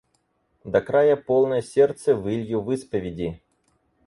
До края полное сердце вылью в исповеди!